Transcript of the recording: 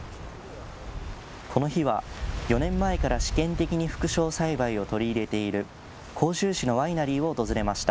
この日は、４年前から試験的に副梢栽培を取り入れている甲州市のワイナリーを訪れました。